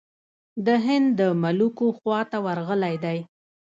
د هند د ملوکو خواته ورغلی دی.